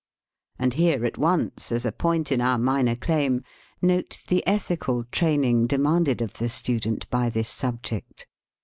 And here at once, as a point in our minor claim, note the ethical training demanded of the student by this subject.